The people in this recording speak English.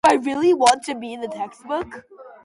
Do I really want to be in a textbook?